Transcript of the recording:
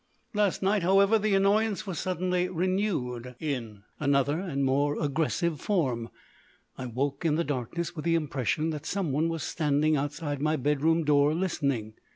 Last night, however, the annoyance was suddenly renewed another and more aggressive form. I woke in the darkness with the impression that someone was standing outside my bedroom door listening.